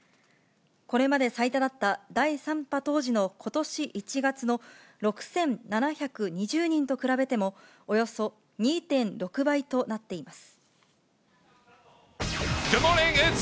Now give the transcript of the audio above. これまで最多だった第３波当時のことし１月の６７２０人と比べてもおよそ２．６倍となっています。